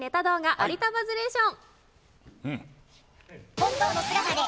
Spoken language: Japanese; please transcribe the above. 有田バズレーション」。